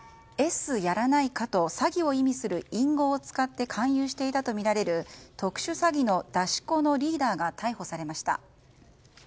Ｓやらないかと詐欺を意味する隠語を使って勧誘していたとみられる特殊詐欺の出し子のリーダーが逮捕されました。